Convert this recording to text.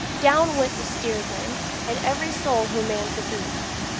Down went the steersman, and every soul who manned the poop.